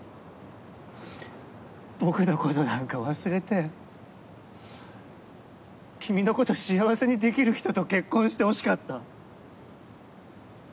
僕のことなんか忘れて君のこと幸せにできる人と結婚してほしかった。